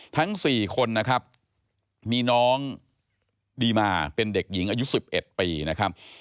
ทั้ง๔คนนะครับมีน้องดีมาเป็นเด็กหญิงอายุ๑๑ปีนะครับ